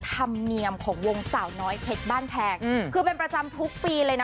ธรรมเนียมของวงสาวน้อยเพชรบ้านแพงคือเป็นประจำทุกปีเลยนะ